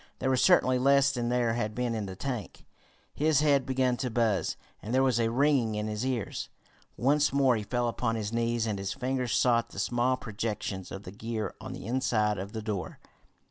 There was certainly less than there had been in the tank. His head began to buzz, and there was a ringing in his ears. Once more he fell upon his knees, and his fingers sought the small projections of the gear on the inside of the door.